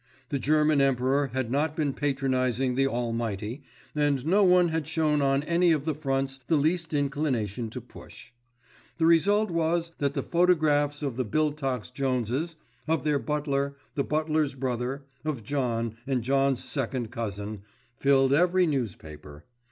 The German Emperor had not been patronizing the Almighty, and no one had shown on any of the fronts the least inclination to push. The result was that the photographs of the Biltox Joneses, of their butler, the butler's brother, of John, and John's second cousin, filled every newspaper.